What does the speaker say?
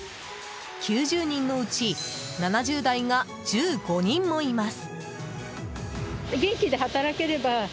９０人のうち７０代が１５人もいます。